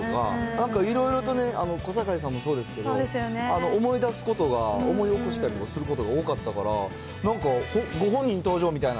なんか、いろいろとね、小堺さんもそうですけど、思い出すことが、思い起こしたりすることが多かったから、なんか、ご本人登場みたいな。